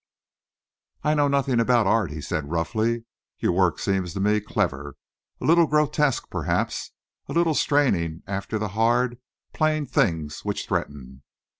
"I know nothing about art," he said, a little roughly. "Your work seems to me clever a little grotesque, perhaps; a little straining after the hard, plain things which threaten.